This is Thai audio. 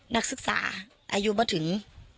นักศึกษาอายุมาถึง